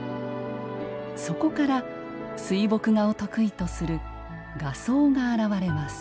そこから水墨画を得意とする画僧が現れます。